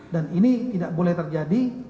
dan ini tidak boleh terjadi